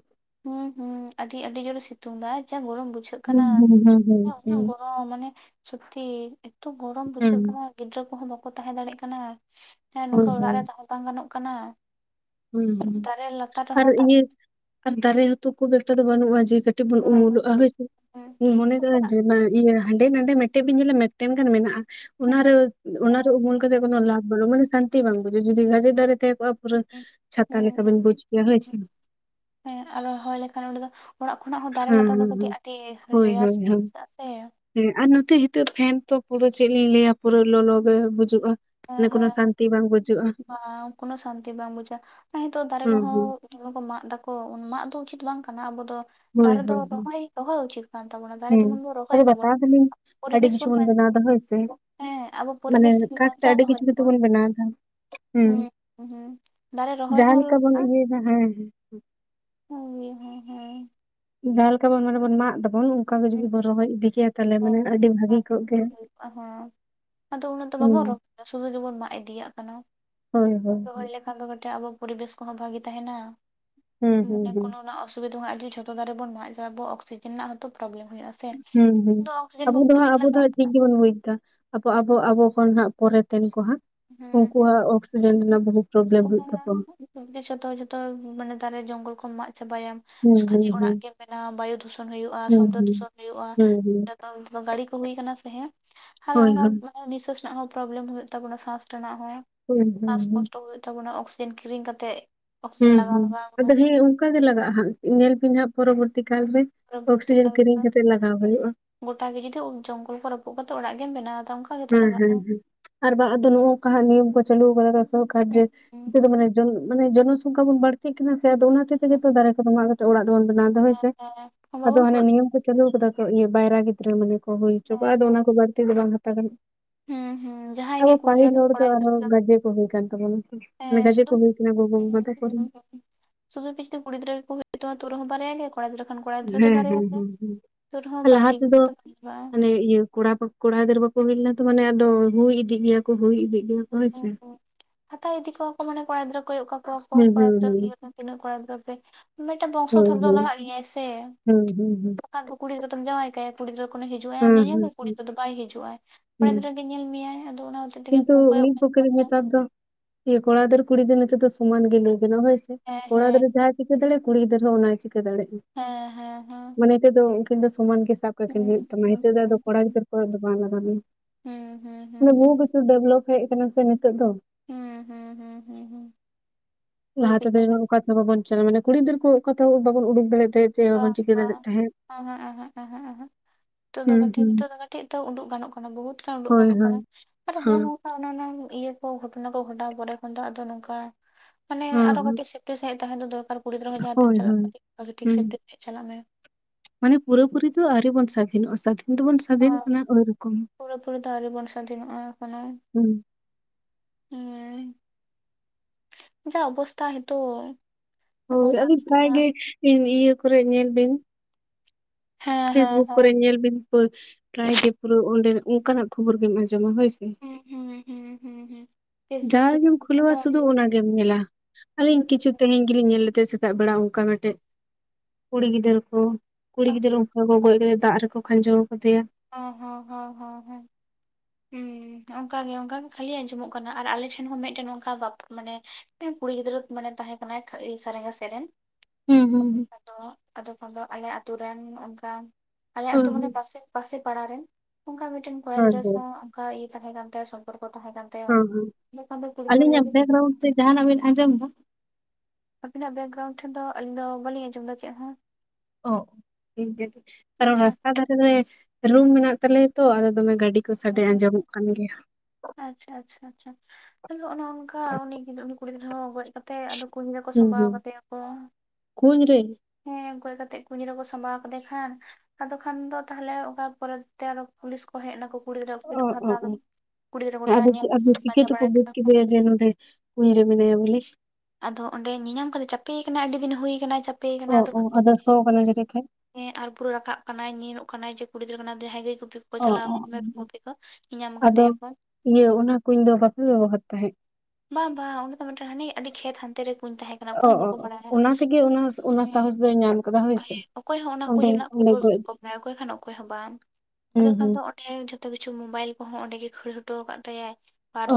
ᱦᱩᱸ ᱦᱩᱸ ᱟᱹᱰᱤ ᱟᱹᱰᱤ ᱡᱳᱨᱮ ᱥᱤᱛᱩᱝ ᱫᱟᱭ ᱡᱟ ᱜᱚᱨᱚᱢ ᱵᱩᱡᱷᱟᱹᱜ ᱵᱩᱡᱟᱹᱜ ᱠᱟᱱᱟ ᱦᱩᱸ ᱦᱩᱸ ᱦᱩᱸ ᱩᱱᱟᱹᱜ ᱦᱩᱸ ᱜᱚᱨᱚᱢ ᱢᱟᱱᱮ ᱥᱚᱛᱤ ᱮᱛᱚ ᱜᱚᱨᱚᱢ ᱦᱩᱸ ᱵᱩᱡᱷᱟᱹᱜ ᱠᱟᱱᱟ ᱜᱤᱫᱽᱨᱟᱹ ᱠᱚᱦᱚᱸ ᱵᱟᱠᱚ ᱛᱟᱦᱮᱸ ᱫᱟᱲᱮᱭᱟᱜ ᱠᱟᱱᱟ ᱥᱮ ᱦᱳᱭ ᱱᱚᱝᱠᱟ ᱚᱲᱟᱜ ᱦᱳᱭ ᱨᱮ ᱛᱟᱦᱮᱸ ᱵᱟᱝ ᱜᱟᱱᱚᱜ ᱠᱟᱱᱟ ᱦᱩᱸ ᱦᱩᱸ ᱫᱟᱨᱮ ᱞᱟᱛᱟᱨ ᱟᱨ ᱨᱮᱦᱚᱸ ᱤᱭᱟᱹ ᱛᱟᱦᱮᱸ ᱟᱨ ᱫᱟᱨᱮ ᱦᱚᱸᱛᱚ ᱠᱷᱩᱵ ᱮᱠᱴᱟ ᱫᱚ ᱵᱟᱹᱱᱩᱜᱼᱟ ᱡᱮᱴᱤᱡ ᱴᱤᱡ ᱵᱩᱱ ᱩᱢᱩᱞᱚᱜᱼᱟ ᱦᱚᱭ ᱥᱮ ᱦᱮᱸ ᱢᱚᱱᱮ ᱫᱚ ᱡᱮ ᱱᱟ ᱤᱭᱟᱹ ᱦᱟᱸᱰᱮ ᱱᱟᱰᱮ ᱢᱤᱫ ᱴᱮᱱ ᱵᱤᱱ ᱧᱮᱞᱟ ᱢᱤᱫᱴᱮᱱ ᱜᱟᱱ ᱢᱮᱱᱟᱜᱼᱟ ᱚᱱᱟᱨᱮ ᱦᱮᱸ ᱚᱱᱟᱨᱮ‌ ᱦᱮᱸ ᱩᱢᱩᱞ ᱠᱟᱛᱮ ᱠᱚᱱᱚ ᱞᱟᱵᱷ ᱵᱚᱞ ᱢᱟᱱᱮ ᱥᱟᱸᱛᱤ ᱵᱟᱝ ᱵᱩᱡᱟᱹ ᱡᱩᱫᱤ ᱜᱟᱡᱮ ᱫᱟᱨᱮ ᱛᱟᱦᱮᱸ ᱠᱚᱜᱼᱟ ᱯᱩᱨᱟᱹ ᱦᱮᱸ ᱪᱷᱟᱛᱟ ᱦᱮᱸ ᱞᱮᱠᱟ ᱦᱮᱸ ᱵᱤᱱ ᱵᱩᱡᱽ ᱠᱮᱭᱟ ᱦᱳᱭ ᱥᱮ ᱦᱮᱸ ᱟᱨᱞᱚ ᱨᱚᱦᱚᱭ ᱞᱮᱠᱷᱟᱱ ᱚᱸᱰᱮ ᱫᱚ ᱚᱲᱟᱜ ᱠᱷᱚᱱᱟᱜ ᱦᱚᱸ ᱫᱟᱨᱮ ᱦᱮᱸ ᱞᱟᱛᱟᱣ ᱫᱚ ᱦᱮᱸ ᱦᱮᱸ ᱠᱟᱹᱴᱤᱡ ᱟᱹᱰᱤ ᱦᱳᱭ ᱨᱮᱭᱟᱲ ᱦᱳᱭ ᱥᱟᱹᱦᱤᱡ ᱦᱳᱭ ᱵᱩᱡᱟᱹᱜᱟ ᱥᱮ ᱦᱮᱸ ᱟᱨ ᱱᱚᱛᱮ ᱱᱤᱛᱚᱜ ᱯᱷᱮᱱ ᱛᱚ ᱯᱩᱨᱟᱹ ᱪᱮᱫ ᱞᱤᱧ ᱞᱟᱹᱭᱟ ᱯᱩᱨᱟᱹ ᱞᱚᱞᱚᱜ ᱜᱮ ᱵᱩᱡᱩᱜᱼᱟ ᱦᱮᱸ ᱢᱟᱱᱮ ᱠᱳᱱᱳ ᱦᱮᱸ ᱥᱟᱱᱛᱤ ᱵᱟᱝ ᱵᱩᱡᱩᱜᱼᱟ ᱵᱟᱝ ᱠᱚᱱᱚ ᱥᱟᱱᱛᱤ ᱵᱟᱝ ᱵᱩᱡᱟ. ᱟᱨ ᱱᱤᱛᱚᱜ ᱫᱟᱨᱮ ᱦᱩᱸ ᱠᱚᱦᱚᱸ ᱦᱩᱸ ᱚᱱᱟ ᱠᱚ ᱢᱟᱜ ᱫᱟᱠᱚ ᱢᱟᱜ ᱫᱚ ᱩᱪᱤᱛ ᱵᱟᱝ ᱠᱟᱱᱟ ᱟᱵᱚ ᱫᱚ ᱦᱳᱭ ᱫᱟᱨᱮ ᱫᱚ ᱦᱳᱭ ᱦᱳᱭ ᱨᱚᱦᱚᱭ ᱨᱚᱦᱚᱭ ᱩᱪᱤᱛ ᱠᱟᱱ ᱛᱟᱵᱚᱱᱟ ᱫᱟᱨᱮ ᱦᱮᱸ ᱡᱮᱢᱚᱱ ᱵᱚᱸ ᱨᱚᱦᱚᱭ ᱟᱫᱚ ᱢᱟᱵᱚᱱ ᱵᱟᱛᱟᱣ ᱫᱟᱞᱤᱧ ᱯᱚᱨᱤᱵᱮᱥ ᱵᱚᱱ [inaudible] ᱵᱟᱧ ᱵᱮᱱᱟᱣ ᱫᱟ ᱦᱚᱭ ᱥᱮ ᱦᱮᱸ ᱟᱵᱚ ᱢᱟᱱᱮ ᱯᱚᱨᱵᱮᱥ ᱜᱤ ᱠᱟᱴ ᱵᱟᱝ ᱛᱮ ᱪᱟ ᱟᱹᱰᱤ ᱠᱤᱪᱷᱩ ᱠᱤᱱᱛᱩ ᱫᱚᱦᱚᱭᱟᱵᱚᱱ ᱵᱚᱱ ᱵᱮᱱᱟᱣ ᱮᱫᱟ ᱦᱩᱸ ᱦᱩᱸ ᱫᱟᱨᱮ ᱨᱚᱦᱚᱭ ᱦᱚᱸ ᱞᱟᱠ ᱼᱟ ᱦᱮᱸ ᱦᱮᱸ ᱦᱳᱭ ᱦᱮᱸ ᱦᱮᱸ ᱡᱟᱦᱟᱸ ᱞᱮᱠᱟ ᱵᱚᱱ ᱢᱟᱱᱮ ᱵᱚᱱ ᱢᱟᱜ ᱫᱟᱵᱚᱱ ᱚᱱᱠᱟ ᱜᱮ ᱦᱮᱸ ᱡᱩᱫᱤ ᱵᱚᱱ ᱨᱚᱦᱚᱭ ᱤᱫᱤ ᱠᱮᱭᱟ ᱛᱟᱦᱞᱮ ᱢᱟᱱᱮ ᱟᱹᱰᱤ ᱵᱷᱟᱹᱜᱤ ᱠᱚᱜ ᱜᱮᱭ ᱟᱫᱚ ᱩᱱᱟᱹᱜ ᱫᱚ ᱵᱟᱵᱚᱱ ᱨᱚᱦᱚᱭᱟ ᱥᱩᱫᱩ ᱜᱮᱵᱚᱱ ᱢᱟᱜ ᱤᱫᱤᱭᱟᱜ ᱠᱟᱱᱟ ᱦᱳᱭ ᱦᱳᱭ ᱨᱚᱦᱚᱭ ᱞᱟᱠ ᱵᱷᱮ ᱠᱟᱹᱴᱮᱡ ᱟᱵᱚ ᱯᱚᱨᱤᱵᱮᱥ ᱠᱚᱦᱚᱸ ᱵᱷᱟᱜᱤ ᱛᱟᱦᱮᱱᱟ ᱦᱩᱸ ᱦᱩ ᱦᱩᱸ ᱦᱩᱸ ᱠᱳᱚᱱᱳ ᱚᱥᱩᱵᱤᱫᱟ ᱢᱮᱱᱟᱜᱼᱟ ᱡᱮ ᱡᱚᱛᱚ ᱫᱟᱨᱮ ᱵᱚᱱ ᱢᱟᱜᱮᱫᱟ ᱟᱵᱚ ᱚᱠᱥᱤᱡᱮᱱ ᱨᱮᱱᱟᱜ ᱦᱚᱛᱚ ᱯᱨᱚᱵᱽᱞᱮᱢ ᱦᱩᱭᱩᱜᱼᱟ ᱥᱮ ᱦᱩᱸ ᱦᱩᱸ ᱫᱚ ᱚᱠᱥᱤᱡᱮᱱ ᱠᱚ ᱟᱵᱚ ᱫᱚᱦᱟᱸᱜ ᱠᱤᱨᱤᱧ ᱟᱵᱚ ᱞᱟᱜᱟᱜ ᱫᱚᱦᱟᱸᱜ ᱴᱷᱤᱠ ᱜᱮᱵᱚᱱ ᱵᱩᱡ ᱮᱫᱟ ᱟᱵᱚ ᱟᱵᱚ ᱟᱵᱚ ᱠᱷᱚᱱ ᱦᱟᱸᱜ ᱯᱚᱨᱮ ᱛᱮᱱ ᱠᱚ ᱦᱟᱸᱜ ᱩᱱᱠᱩᱣᱟᱜ ᱚᱠᱥᱤᱡᱮᱱ ᱨᱮᱱᱟᱜ ᱵᱚᱦ [unintelligible] ᱡᱚᱛᱚ ᱡᱚᱛᱚ ᱢᱟᱱᱮ ᱫᱟᱨᱮ ᱡᱚᱝᱜᱚᱞ ᱠᱚ ᱢᱟᱜ ᱪᱟᱵᱟᱭᱟᱢ ᱦᱩᱸ ᱦᱩᱸ ᱠᱷᱟᱹᱞᱤ ᱚᱲᱟᱜ ᱦᱩᱸ ᱜᱮᱢ ᱵᱮᱱᱟ ᱵᱟᱭᱩ ᱫᱷᱩᱥᱚᱱ ᱦᱩᱭᱩᱜᱼᱟ ᱦᱩᱸ ᱥᱚᱵᱽᱫᱚ ᱦᱩᱸ ᱫᱷᱩᱥᱚᱱ ᱦᱩᱭᱩᱜᱼᱟ ᱦᱩᱸ ᱦᱩᱸ ᱮᱱᱟ. ᱛᱟᱭᱚ ᱜᱟᱲᱤ ᱠᱚ ᱦᱩᱭ ᱟᱠᱟᱱᱟ ᱥᱮ ᱦᱮᱸ ᱟᱨ ᱦᱳᱭ ᱚᱱᱠᱟ ᱦᱳᱭ ᱱᱤᱥᱟ. ᱨᱮᱱᱟᱜ ᱦᱚᱸ ᱯᱨᱚᱵᱽᱞᱮᱢ ᱦᱩᱭᱩᱜ ᱛᱟᱵᱚᱱᱟ ᱥᱟᱸᱥ ᱨᱮᱱᱟᱜ ᱦᱚᱸ ᱦᱩᱸ ᱦᱩᱸ ᱥᱟᱥ ᱦᱩᱸ ᱠᱚᱥᱴᱚ ᱦᱩᱭᱩᱜ ᱛᱟᱵᱚᱱᱟ ᱚᱠᱥᱤᱡᱮᱱ ᱠᱤᱨᱤᱧ ᱠᱟᱛᱮ ᱦᱩᱸ ᱦᱩᱸ ᱟᱫᱚ ᱦᱮᱸ ᱚᱱᱠᱟᱜ ᱜᱮ ᱞᱟᱜᱟᱜᱼᱟ ᱦᱟᱸᱜ ᱧᱮᱞ ᱵᱤᱱ ᱦᱟᱸᱜ ᱯᱚᱨᱚᱵᱚᱨᱛᱤ ᱠᱟᱞ ᱨᱮ ᱚᱠᱥᱤᱡᱮᱱ ᱠᱤᱨᱤᱧ ᱠᱟᱛᱮᱫ ᱞᱟᱜᱟᱣ ᱦᱩᱭᱩᱜᱼᱟ ᱜᱚᱴᱟᱜ ᱜᱮ ᱡᱩᱫᱤ ᱡᱚᱝᱜᱚᱞ ᱠᱚ ᱨᱟᱹᱯᱩ ᱠᱟᱛᱮᱫ ᱚᱲᱟᱜ ᱜᱮᱢ ᱵᱮᱱᱟᱣ ᱛᱟᱢ ᱠᱷᱟᱱ ᱦᱩᱸ ᱦᱩᱸ ᱦᱩᱸ ᱟᱨ ᱵᱟᱝ ᱟᱫᱚ ᱱᱚᱜᱠᱟ ᱱᱤᱭᱚᱢ ᱠᱚ ᱪᱞᱩ ᱠᱟᱫᱟ ᱥᱚᱨᱠᱟᱨ ᱡᱮ ᱱᱤᱛᱚ ᱫᱚ ᱢᱟᱱᱮ ᱢᱟᱱᱮ ᱡᱚᱱᱚᱥᱚᱝᱠᱷᱟ ᱵᱚᱱ ᱵᱟᱹᱲᱛᱤᱜ ᱠᱟᱱᱟ ᱥᱮ ᱟᱫᱚ ᱚᱱᱟ ᱦᱚᱛᱮ ᱛᱮᱜᱮᱛᱚ ᱫᱟᱨᱮ ᱠᱚ ᱢᱟᱜ ᱠᱟᱛᱮᱫ ᱚᱲᱟᱜ ᱫᱚᱵᱚᱱ ᱵᱮᱱᱟᱣᱫᱟ ᱟᱫᱚ ᱪᱮᱫ ᱦᱮᱸ ᱟᱫᱚ ᱵᱟᱵᱚᱱ ᱦᱟᱱᱮ ᱠᱩᱲᱟᱹᱜ ᱱᱤᱭᱚᱢ ᱠᱚ ᱪᱟᱹᱞᱩᱣ ᱣᱟᱠᱟᱫᱟ ᱠᱚ ᱤᱭᱟᱹ ᱵᱟᱭᱨᱟ ᱜᱤᱫᱽᱨᱟᱹ ᱢᱟᱱᱮ ᱠᱚ ᱦᱩᱭ ᱦᱚᱪᱚ ᱠᱚᱣᱟ ᱦᱮᱸ ᱟᱫᱚ ᱦᱮᱸ ᱚᱱᱟ ᱠᱚ ᱵᱟᱹᱲᱛᱤ ᱫᱚ ᱵᱟᱝ ᱦᱟᱛᱟᱣ ᱜᱟᱱᱚᱜ ᱦᱩᱸ ᱦᱩᱸ ᱡᱟᱦᱟᱸᱭ ᱟᱵᱚ ᱜᱮ ᱠᱩᱲᱤ ᱯᱟᱹᱦᱤᱞ ᱜᱤᱫᱽᱨᱟᱹ ᱛᱟᱢ ᱦᱚᱲ ᱫᱚ ᱠᱚᱲᱟ ᱟᱨᱚ ᱜᱤᱫᱽᱨᱟᱹ ᱜᱟᱡᱮ ᱠᱚ ᱦᱩᱭ ᱠᱟᱱ ᱛᱟᱵᱚᱱᱟ ᱛᱚᱮ ᱦᱮᱸ ᱜᱟᱡᱮ ᱥᱩᱫᱩ ᱠᱚ ᱦᱩᱭ ᱜᱚᱜᱚ ᱵᱟᱵᱟ [unintelligible] ᱥᱩᱫᱩ ᱯᱤᱥᱛᱮ ᱠᱩᱲᱤ ᱜᱤᱫᱽᱨᱟᱹ ᱠᱚ ᱦᱩᱭᱩᱜ ᱛᱟᱹᱣ ᱨᱮᱦᱚ ᱵᱟᱨᱭᱟ ᱜᱮ ᱠᱚᱲᱟ ᱜᱤᱫᱽᱨᱟᱹ ᱠᱷᱚᱱ ᱠᱚᱲᱟ ᱜᱤᱫᱽᱨᱟᱹ ᱜᱮ ᱦᱮᱸ ᱵᱟᱨᱭᱟ ᱦᱮᱸ ᱜᱮ ᱦᱮᱸ ᱦᱮᱸ ᱛᱟᱹᱣ ᱨᱮ ᱦᱚᱸ ᱵᱟᱨ ᱞᱟᱦᱟ ᱫᱤᱠ ᱛᱮᱫᱚ [inaudible] [inaudible] ᱠᱷᱚᱜᱼᱟ ᱢᱟᱱᱮ ᱤᱭᱟᱹ ᱠᱚᱲᱟ ᱠᱚᱲᱟ ᱜᱤᱫᱟᱹᱨ ᱵᱟᱠᱚ ᱦᱩᱭ ᱞᱮᱱᱟ ᱛᱚ ᱢᱟᱱᱮ ᱟᱫᱚ ᱦᱩᱭ ᱤᱫᱤ ᱜᱮᱭᱟ ᱠᱚ ᱦᱩᱭ ᱤᱫᱤᱜ ᱜᱮᱭᱟ ᱠᱚ ᱦᱳᱭ ᱥᱮ [inaudible] ᱦᱟᱛᱟᱣ ᱤᱫᱤ ᱠᱚᱣᱟ ᱠᱚ ᱢᱟᱱᱮ ᱠᱚᱲᱟ ᱜᱤᱫᱽᱨᱟᱹ ᱠᱚᱭᱚᱜ ᱠᱟᱠᱚᱣᱟ ᱦᱩᱸ ᱠᱚᱲᱟ ᱦᱩᱸ ᱜᱤᱫᱽᱨᱟᱹ ᱤᱭᱟᱹ ᱦᱩᱸ ᱨᱮᱱ ᱤᱱᱟᱹᱜ ᱠᱚᱲᱟᱯᱮ ᱢᱤᱫ ᱴᱮᱱ ᱵᱚᱝᱥᱚ ᱦᱳᱭ ᱫᱷᱚᱨ ᱫᱚ ᱦᱳᱭ ᱞᱟᱜᱟᱜ ᱜᱮᱭᱟᱭ ᱥᱮ ᱦᱩᱸ ᱦᱩᱸ ᱦᱩᱸ [inaudible] ᱠᱩᱲᱤ ᱫᱽᱨᱟᱹ ᱫᱚᱢ ᱡᱟᱸᱣᱟᱭ ᱠᱟᱭᱟ ᱠᱩᱲᱤ ᱜᱤᱫᱽᱨᱟᱹ ᱠᱚᱱ ᱦᱤᱡᱩᱜ ᱟᱭ ᱟᱢ ᱦᱩᱸ ᱧᱮᱧᱮᱞ ᱫᱚ ᱦᱩᱸ ᱠᱩᱲᱤ ᱦᱩᱸ ᱠᱚᱫᱚ ᱵᱟᱭ ᱦᱤᱡᱩᱜᱼᱟ ᱟᱭ ᱦᱩᱸ ᱠᱚᱲᱟ ᱜᱤᱫᱽᱨᱟᱹ ᱜᱮ ᱧᱮᱞ ᱢᱮᱭᱟᱭ ᱟᱫᱚ ᱚᱱᱟ ᱦᱚᱛᱮᱡ ᱛᱮᱜᱮ ᱠᱤᱱᱛᱩ ᱠᱚ ᱠᱚᱭᱚᱜ ᱢᱤᱫ ᱠᱟᱜ ᱯᱳᱠᱠᱷᱮ ᱠᱚᱣᱟ ᱫᱚ ᱠᱚ᱾ ᱱᱮᱛᱟᱨ ᱫᱚ ᱠᱚᱲᱟ ᱜᱤᱫᱽᱨᱟᱹ ᱠᱩᱲᱤ ᱜᱤᱫᱽᱨᱟᱹ ᱱᱤᱛᱳᱜ ᱫᱚ ᱥᱚᱢᱟᱱ ᱜᱮ ᱞᱟᱹᱭᱜᱟᱱᱚᱜ-ᱟ ᱦᱳᱭ ᱥᱮ ᱦᱮᱸ ᱠᱚᱲᱟ ᱦᱮᱸ ᱜᱤᱫᱽᱨᱟᱹ ᱡᱟᱦᱟᱭ ᱪᱤᱠᱟᱹ ᱫᱟᱲᱮᱜᱼᱟ ᱠᱩᱲᱤ ᱜᱤᱫᱟᱹᱨ ᱦᱚᱸ ᱚᱱᱟᱭ ᱪᱤᱠᱟᱹ ᱫᱟᱲᱮᱜᱼᱟ ᱦᱮᱸ ᱦᱮᱸ ᱦᱮᱸ ᱱᱤᱛᱚᱜ ᱫᱚ ᱩᱱᱠᱤᱱ ᱫᱚ ᱥᱚᱢᱟᱱ ᱜᱮ ᱥᱟᱵ ᱦᱩᱸ ᱠᱟᱹᱠᱤᱱ ᱦᱩᱭᱩᱜ ᱛᱟᱢᱟ ᱦᱩᱸ ᱱᱤᱛᱚᱜ ᱫᱚ ᱟᱫᱚ ᱠᱚᱲᱟ ᱜᱤᱫᱽᱟᱹᱨ ᱠᱚᱣᱟᱜ ᱫᱚ ᱵᱟᱝ ᱞᱟᱜᱟᱢᱮ ᱦᱩᱸ ᱦᱩᱸ ᱦᱩᱸ ᱢᱟᱱᱮ ᱵᱩᱦᱩ ᱦᱩᱸ ᱠᱤᱪᱷᱩ ᱰᱮᱵᱷᱞᱚᱯ ᱦᱮᱡ ᱟᱠᱟᱱᱟ ᱥᱮ ᱱᱤᱛᱚᱜ ᱫᱚ ᱦᱩᱸ ᱦᱩᱸ ᱦᱩᱸ ᱦᱩᱸ ᱦᱩᱸ ᱦᱩᱸ ᱵᱚᱦᱩ ᱞᱟᱦᱟ ᱛᱮᱫᱚ ᱠᱤᱪᱷᱩ ᱜᱮ ᱚᱠᱟ ᱵᱟᱵᱚᱱ ᱪᱟᱞᱟᱜ ᱢᱟᱱᱮ ᱠᱩᱲᱤ ᱜᱤᱫᱟᱹᱨ ᱠᱚ ᱚᱠᱟ ᱛᱮᱦᱚ ᱵᱟᱵᱚᱱ ᱩᱰᱩᱠ ᱫᱟᱲᱮᱭᱟᱜ ᱛᱟᱦᱮᱸᱫ ᱪᱮᱫ ᱦᱚᱸ ᱵᱟ ᱵᱟᱵᱚᱱ ᱪᱤᱠᱟᱹ ᱵᱟ ᱫᱟᱲᱮᱭᱟᱜ ᱛᱟᱦᱮᱸᱫ ᱮᱦᱮᱜ ᱮᱦᱮᱜ ᱮᱦᱮᱜ ᱮᱦᱮᱜ ᱱᱤᱛᱚᱜ ᱫᱚ ᱦᱩᱸ ᱠᱟᱹᱴᱤᱡ ᱦᱩᱸ ᱱᱤᱛᱚᱜ ᱫᱚ ᱠᱟᱹᱴᱤᱡ ᱛᱚ ᱩᱰᱩᱜ ᱜᱟᱱᱚᱜ ᱠᱟᱱᱟ ᱵᱚᱦᱩᱛ ᱴᱟ ᱩᱰᱩᱜ ᱦᱳᱭ, ᱦᱳᱭ, ᱜᱟᱱᱚᱜ ᱠᱟᱱᱟ ᱟᱨ ᱦᱮᱸ, ᱦᱚᱸ ᱦᱚᱸ ᱚᱱᱟ ᱚᱱᱟ ᱤᱭᱟᱹ ᱠᱚ ᱜᱷᱚᱴᱚᱱᱟ ᱠᱚ ᱜᱷᱚᱴᱟᱣ ᱯᱚᱨᱮ ᱠᱷᱚᱱ ᱫᱚ ᱟᱫᱚ ᱱᱚᱝᱠᱟ ᱢᱟᱱᱮ ᱦᱮᱸ, ᱟᱨᱚ ᱦᱮᱸ, ᱠᱟᱹᱴᱤᱡ ᱥᱮᱯᱴᱤ ᱥᱟᱦᱤᱡ ᱛᱟᱦᱮᱸ ᱫᱚᱨᱠᱟᱨ ᱠᱩᱲᱤ ᱜᱤᱫᱽᱨᱟᱹ ᱦᱚᱸ ᱡᱟᱦᱟᱸᱛᱮᱢ ᱦᱳᱭ, ᱪᱟᱞᱟᱜᱼᱟ ᱦᱳᱭ, ᱴᱷᱤᱠ ᱥᱮᱯᱴᱤ ᱦᱩᱸ, ᱥᱟᱦᱤᱡ ᱪᱟᱞᱟᱜ ᱢᱮ ᱢᱟᱱᱮ ᱯᱩᱨᱟᱹ ᱯᱩᱨᱤ ᱫᱚ ᱟᱹᱣᱨᱤ ᱵᱚᱱ ᱥᱟᱫᱷᱤᱱᱚᱜ-ᱟ [inaudible] ᱯᱩᱨᱟᱹᱯᱩᱨᱤ ᱫᱚ ᱟᱹᱣᱨᱤ ᱵᱚᱱ ᱥᱟᱹᱫᱷᱤᱱᱚᱜᱼᱟ ᱠᱟᱱᱟ ᱦᱩᱸ᱾ ᱦᱩᱸ ᱡᱟ ᱚᱵᱚᱥᱛᱷᱟ ᱦᱤᱛᱚᱜ ᱦᱚᱭ ᱟᱹᱰᱤ ᱯᱨᱟᱭ ᱜᱮ ᱤᱱᱡᱤᱭᱚ ᱠᱚᱨᱮ ᱧᱮᱞ ᱵᱤᱱ ᱯᱷᱮᱥᱵᱩᱠ ᱠᱚᱨᱮ ᱧᱮᱞ ᱵᱤᱱ ᱯᱟᱨᱟᱭ ᱜᱮ ᱯᱩᱨᱟᱹ ᱚᱸᱰᱮ ᱚᱱᱠᱟᱱᱟᱜ ᱠᱷᱚᱵᱚᱨ ᱜᱮᱢ ᱟᱸᱡᱚᱢᱟ ᱦᱳᱭᱥᱮ [inaudible] ᱡᱟᱦᱟᱸ ᱦᱚᱸ ᱜᱮᱢ ᱦᱚᱸ ᱠᱷᱩᱞᱟᱹᱣᱟ ᱥᱩᱫᱩᱜ ᱚᱱᱟᱜᱮᱢ ᱧᱮᱞᱟ ᱟᱹᱞᱤᱧ ᱠᱤᱪᱷᱩ ᱛᱮᱞᱤᱧ ᱜᱤᱨᱤ ᱧᱮᱞ ᱞᱮᱫᱮ ᱥᱮᱛᱟᱜ ᱵᱮᱲᱟ ᱚᱱᱠᱟ ᱢᱮᱫᱴᱮᱡ ᱠᱩᱲᱤ ᱜᱤᱫᱟᱹᱨ ᱠᱚ ᱠᱩᱲᱤ ᱜᱤᱫᱟᱹᱨ ᱜᱚᱡ ᱠᱮᱫᱮᱭᱟ ᱫᱟᱜ ᱨᱮᱠᱚ ᱠᱷᱟᱸᱡᱚ ᱟᱠᱟᱫᱮᱭᱟ ᱦᱚᱸ ᱦᱚᱸ ᱦᱚᱸ ᱦᱚᱸ ᱦᱚᱸ ᱦᱩᱸ ᱚᱱᱠᱟ ᱜᱮ ᱚᱱᱠᱟ ᱜᱮ ᱠᱷᱟᱹᱞᱤ ᱟᱸᱡᱚᱢᱚᱜ ᱠᱟᱱᱟ ᱟᱨ ᱟᱞᱮ ᱴᱷᱮᱱ ᱦᱚᱸ ᱢᱤᱫᱴᱮᱱ ᱚᱱᱠᱟ ᱢᱟᱱᱮ ᱢᱮᱫᱴᱮᱝ ᱠᱩᱲᱤ ᱜᱤᱫᱽᱨᱟᱹ ᱢᱟᱱᱮ ᱛᱟᱦᱮᱸ ᱠᱟᱱᱟᱭ ᱥᱟᱨᱮᱝᱜᱟ ᱥᱮᱫᱨᱮᱱ ᱦᱩᱸ, ᱦᱩᱸ, ᱦᱩᱸ, ᱟᱫᱚ ᱟᱫᱚ ᱠᱚ ᱫᱚ ᱟᱭᱟᱜ ᱟᱹᱛᱩ ᱨᱮᱱ ᱚᱱᱠᱟ ᱟᱭᱟᱜ ᱟᱹᱛᱩ ᱢᱟᱱᱮ ᱦᱳᱭ, ᱯᱟᱥᱮᱡ ᱯᱟᱥᱮ ᱯᱟᱲᱟ ᱨᱮᱱ ᱚᱱᱠᱟ ᱢᱤᱫᱴᱮᱱ ᱠᱚᱲᱟ ᱦᱳᱭ᱾ ᱜᱤᱫᱽᱨᱟᱹ ᱦᱳᱭ, ᱥᱟᱶ ᱚᱱᱠᱟ ᱤᱭᱟᱹ ᱛᱟᱦᱮᱸ ᱠᱟᱱ ᱛᱟᱭᱟ ᱥᱚᱢᱯᱚᱨᱠ ᱠᱚ ᱛᱟᱦᱮᱸ ᱠᱟᱱ ᱛᱮᱭ ᱦᱳᱭ, ᱦᱮᱸ, ᱦᱮᱸ᱾ ᱱᱚᱝᱠᱟ ᱠᱩᱲᱤ ᱜᱤᱫᱽᱨᱟᱹ ᱟᱹᱞᱤᱧᱟᱜ ᱞᱮᱵᱮᱫᱽ ᱛᱤᱜᱤ ᱵᱮᱠᱜᱨᱟᱣᱩᱱᱰ ᱥᱮ ᱡᱟᱦᱟᱱᱟᱜ ᱵᱮᱱ ᱟᱡᱚᱢ ᱫᱚ ᱟᱵᱤᱱᱟᱜ ᱵᱮᱠᱜᱨᱟᱣᱩᱸᱰ ᱴᱷᱮᱱ ᱫᱚ ᱟᱞᱤᱧ ᱫᱚ ᱵᱟᱞᱤᱧ ᱟᱸᱡᱚᱢ ᱮᱫᱟ ᱪᱮᱫ ᱦᱚᱸ ᱚ ᱚ ᱴᱷᱤᱠ ᱜᱮᱭᱟ ᱠᱟᱨᱚᱱ ᱟᱪᱪᱷᱟ ᱨᱟᱥᱛᱟ ᱫᱷᱟᱨᱮ ᱨᱮ ᱨᱩᱢ ᱢᱮᱱᱟᱜ ᱛᱟᱞᱮᱭᱟ ᱛᱚ ᱟᱫᱚ ᱫᱚᱢᱮ ᱜᱟᱹᱰᱤ ᱥᱟᱰᱮ ᱟᱸᱡᱚᱢᱚᱜ ᱠᱟᱱ ᱜᱮᱭᱟ ᱟᱪᱪᱷᱟ ᱟᱪᱪᱷᱟ ᱟᱪᱪᱷᱟ ᱛᱟᱦᱮ ᱚᱱᱮ ᱚᱱᱠᱟ ᱩᱱᱤ ᱩᱱᱤ ᱠᱩᱲᱤ ᱜᱤᱫᱽᱨᱟᱹ ᱦᱚᱸ ᱜᱚᱡ [unintelligible] ᱟᱫᱚ ᱠᱩᱧ ᱨᱮᱠᱚ ᱦᱩᱸ ᱥᱟᱢᱵᱟᱣ ᱦᱩᱸ ᱠᱟᱫᱮᱭᱟ ᱠᱚ ᱠᱩᱧ ᱨᱮ ᱦᱮᱸ ᱜᱚᱡ ᱠᱟᱛᱮᱜ ᱠᱩᱧ ᱨᱮᱠᱚ ᱥᱟᱢᱵᱟᱣ ᱠᱟᱫᱮ ᱠᱷᱟᱱ ᱟᱫᱚ ᱠᱷᱟᱱ ᱫᱚ ᱛᱟᱦᱞᱮ ᱚᱠᱟ ᱯᱚᱨᱮᱛᱮ ᱟᱫᱚ ᱯᱩᱞᱤᱥ ᱠᱚ ᱦᱮᱡ ᱱᱟᱠᱚ ᱠᱩᱲᱤ ᱜᱤᱫᱽᱨᱟᱹ ᱟᱜ ᱠᱷᱳᱡᱽ ᱠᱚ ᱦᱟᱛᱟᱣ [unintelligible] ᱜᱤᱫᱽᱨᱟᱹ ᱦᱮᱸ ᱜᱚᱴᱟ ᱟᱫᱚ ᱧᱮᱞ ᱟᱵᱚ ᱪᱤᱠᱟᱹ ᱯᱟᱸᱡᱟ ᱛᱮᱠᱚ ᱵᱟᱲᱟᱭ ᱵᱩᱡᱽ ᱠᱟᱱᱟ ᱠᱚ ᱠᱮᱫᱮᱭᱟ ᱡᱮ ᱱᱚᱰᱮ ᱠᱩᱧ ᱨᱮ ᱢᱮᱱᱟᱭᱟ ᱵᱩᱞᱤᱥ ᱟᱫᱚ ᱚᱸᱰᱮ ᱢᱮᱭᱟᱝ ᱠᱷᱚᱱᱮ ᱪᱟᱯᱮ ᱟᱠᱟᱱᱟ ᱟᱹᱰᱤ ᱫᱤᱱ ᱦᱩᱭ ᱠᱟᱱᱟᱭ ᱪᱟᱯᱮ ᱟᱠᱟᱱᱟᱭ ᱚ ᱟᱫᱚ ᱚ ᱥᱚ ᱠᱟᱱᱟ ᱡᱟᱹᱱᱤᱡ ᱠᱷᱟᱡ ᱦᱮᱸ ᱟᱨ ᱯᱩᱨᱟᱹ ᱨᱟᱠᱟᱵ ᱠᱟᱱᱟᱭ ᱧᱤᱨᱚᱜ ᱠᱟᱱᱟᱭ ᱡᱮ ᱠᱩᱲᱤ ᱜᱤᱫᱽᱨᱟᱹ [unintelligible] ᱡᱟᱦᱟᱸᱭ ᱜᱮ ᱠᱚ ᱚ ᱪᱟᱞᱟᱣ ᱚ [unintelligible] ᱜᱩᱯᱤ ᱠᱚ ᱧᱟᱢ ᱟᱫᱚ ᱠᱟᱫᱮᱭᱟ ᱠᱚ ᱤᱭᱟᱹ ᱚᱱᱟ ᱠᱩᱧ ᱫᱚ ᱵᱟᱯᱮ ᱵᱮᱵᱚᱦᱟᱨ ᱛᱟᱦᱮᱸᱫ ᱵᱟᱝ ᱵᱟᱝ ᱚᱸᱰᱮ ᱫᱚ ᱢᱤᱫᱴᱮᱱ ᱦᱟᱱᱤ ᱟᱹᱰᱤ ᱠᱷᱮᱛ ᱦᱟᱱᱛᱮ ᱨᱮ ᱠᱩᱧ ᱛᱟᱦᱮᱸ ᱠᱟᱱᱟ ᱚᱠᱚᱭ ᱚ ᱦᱚᱸ ᱚ ᱵᱟᱠᱚ ᱵᱟᱲᱟᱭᱟ ᱚᱱᱟ ᱛᱮᱜᱮ ᱚᱱᱟ ᱚᱱᱟ ᱦᱮᱸ ᱥᱟᱦᱚᱥ ᱫᱚᱭ ᱧᱟᱢ ᱠᱟᱫᱟ ᱦᱳᱭ ᱥᱮ ᱦᱮᱸ ᱚᱠᱚᱭ ᱦᱚᱸ ᱚᱱᱟ ᱠᱚ ᱚᱸᱰᱮ ᱨᱮᱱᱟᱜ ᱚᱸᱰᱮ ᱠᱷᱚᱵᱚᱨ ᱜᱚᱡ ᱫᱚ᱾ ᱚᱠᱚᱭ ᱠᱷᱟᱱ ᱚᱠᱚᱭ ᱦᱚᱸ ᱵᱟᱝ ᱦᱩᱸ ᱦᱩᱸ ᱠᱷᱟᱭᱨ ᱡᱚᱛᱚ ᱠᱤᱪᱷᱩ ᱢᱚᱵᱟᱭᱤᱞ ᱠᱚᱦᱚᱸ ᱚᱸᱰᱮ ᱜᱮ ᱠᱷᱟᱹᱲ ᱦᱚᱴᱚ ᱟᱠᱟᱫ ᱛᱟᱭᱟᱭ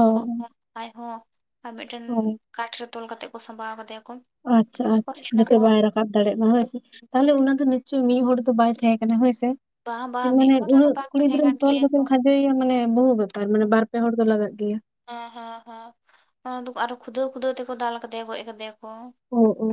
ᱚ ᱠᱚᱦᱚᱸ ᱟᱡ ᱦᱚᱸ ᱟᱨ ᱢᱤᱫᱴᱮᱱ ᱚ ᱠᱟᱴ ᱨᱮ ᱛᱚᱞ ᱠᱟᱛᱮᱜ ᱠᱚ ᱥᱟᱢᱵᱟᱣ ᱠᱟᱫᱮᱭᱟ ᱠᱚ ᱟᱪᱪᱷᱟ ᱯᱩᱞᱤᱥ ᱠᱚ ᱟᱪᱪᱷᱟ ᱦᱮᱡ ᱡᱟᱛᱮ ᱱᱟᱠᱚ ᱵᱟᱭ ᱨᱟᱠᱟᱵ ᱫᱟᱲᱮᱭᱟᱜ ᱢᱟ ᱦᱚᱭ ᱥᱮ ᱛᱟᱦᱚᱞᱮ ᱚᱱᱟ ᱫᱚ ᱱᱤᱥᱪᱚᱭ ᱢᱤᱫ ᱦᱚᱲ ᱫᱚ ᱵᱟᱭ ᱛᱟᱦᱮᱸ ᱠᱟᱱᱟ ᱦᱚᱭ ᱥᱮ ᱵᱟᱝ ᱵᱟᱝ ᱡᱮᱡᱚᱱᱮᱢ ᱢᱤᱫ ᱢᱮᱱ ᱦᱚᱲ ᱨᱮᱫᱚ ᱩᱱᱟᱹᱜ ᱵᱟᱝ ᱠᱩᱲᱤ ᱛᱟᱦᱮᱸ ᱜᱤᱫᱽᱨᱟᱹᱢ ᱠᱟᱱ ᱛᱚᱞ ᱜᱮᱭᱟ ᱜᱮᱠᱚ ᱠᱚ ᱠᱷᱟᱱ ᱦᱚᱭ ᱢᱟᱱᱮ ᱵᱚᱦᱩ ᱵᱮᱯᱟᱨ ᱢᱟᱱᱮ ᱵᱟᱨ ᱯᱮ ᱦᱚᱲ ᱫᱚ ᱞᱟᱜᱟᱜ ᱜᱮᱭᱟ᱾ ᱦᱮᱸ ᱦᱮᱸ ᱦᱮᱸ ᱟᱫᱚ ᱠᱚ ᱟᱨᱚ ᱠᱷᱩᱫᱟᱹᱣ ᱠᱷᱩᱫᱟᱹᱣ ᱛᱮᱠᱚ ᱫᱟᱞ ᱠᱟᱫᱮᱭᱟ ᱜᱚᱡ ᱠᱟᱫᱮᱭᱟ ᱠᱚ᱾ ᱚ-ᱚ-ᱚ